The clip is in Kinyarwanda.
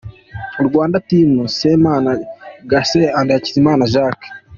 Rwanda Team : Semana Genese& Hakizimana Jacques.